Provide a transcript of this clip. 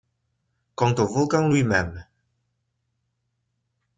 Quant au volcan lui-même